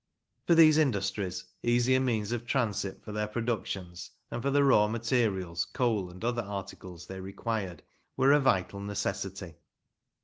For these industries easier means of transit for their productions, and for the raw materials, coal, and other articles they required, were a vital necessity.